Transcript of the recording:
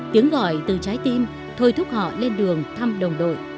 tiếng gọi từ trái tim thôi thúc họ lên đường thăm đồng đội